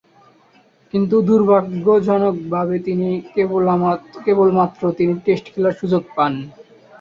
কিন্তু দূর্ভাগ্যজনকভাবে তিনি কেবলমাত্র তিন টেস্ট খেলার সুযোগ পান।